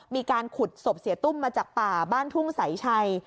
มีการขุดศพเสียตุ้มมาจากป่าบ้านทุ่งสายชัย